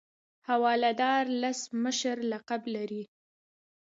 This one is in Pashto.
حواله دار لس مشر لقب لري.